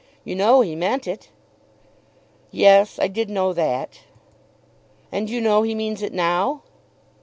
You know he meant it." "Yes; I did know that." "And you know he means it now?"